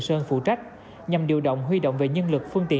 thứ trưởng sơn phụ trách nhằm điều động huy động về nhân lực phương tiện